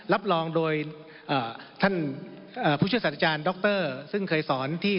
รับรองโดยท่านผู้ช่วยศาสตราจารย์ดรซึ่งเคยสอนที่